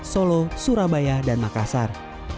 solo surabaya dan makassar